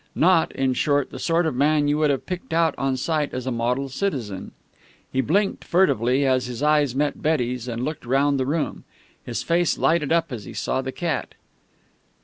Not, in short, the sort of man you would have picked out on sight as a model citizen. He blinked furtively, as his eyes met Betty's, and looked round the room. His face lighted up as he saw the cat.